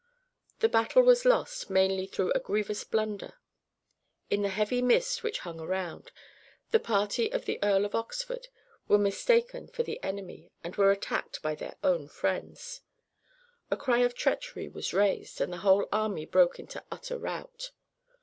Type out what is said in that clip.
The battle was lost mainly through a grievous blunder. In the heavy mist which hung around, the party of the Earl of Oxford were mistaken for the enemy and were attacked by their own friends. The cry of treachery was raised, and the whole army broke into utter rout.